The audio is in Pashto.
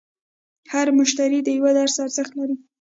هر مشتری د یوه درس ارزښت لري.